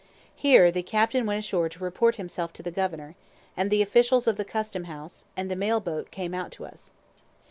Here the captain went ashore to report himself to the Governor, and the officials of the custom house, and the mail boat came out to us.